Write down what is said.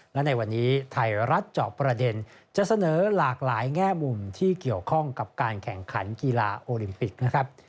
และในวันนี้ไทยรัฐเจาะประเด็นจะเสนอหลากหลายแง่มุมที่เกี่ยวข้องกับการแข่งขันกีฬาโอลิมปิกนะครับ